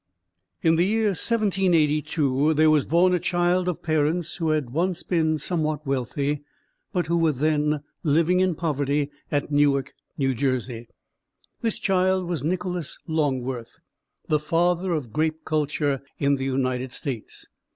In the year 1782 there was born a child of parents who had once been somewhat wealthy, but who were then living in poverty at Newark, New Jersey. This child was Nicholas Longworth, the father of grape culture in the United States.